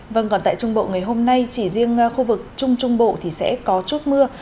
vâng còn tại trung bộ ngày hôm nay chỉ riêng khu vực trung trung bộ thì sẽ có chút mưa